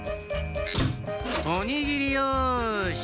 おにぎりよし！